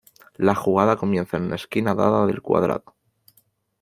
La jugada comienza en una esquina dada del cuadrado.